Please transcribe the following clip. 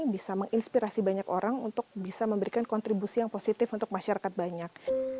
bisa menginspirasi banyak orang untuk bisa memberikan kontribusi yang positif untuk masyarakat banyak